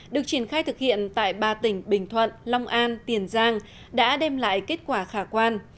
được triển khai thực hiện tại ba tỉnh bình thuận long an tiền giang đã đem lại kết quả khả quan